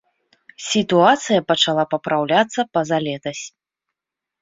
Сітуацыя пачала папраўляцца пазалетась.